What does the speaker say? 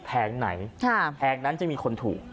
แผงไหนแผงนั้นจะมีคนถูก